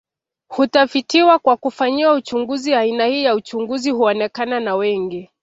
Hutafitiwa kwa kufanyiwa uchunguzi aina hii ya uchunguzi huonekana na wengi